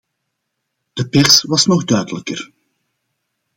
De pers was nog duidelijker.